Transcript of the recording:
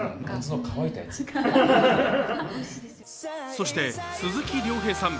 そして、鈴木亮平さん